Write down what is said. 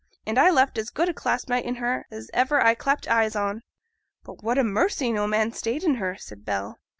And I left as good a clasp knife in her as ever I clapt eyes on.' 'But what a mercy no man stayed in her,' said Bell.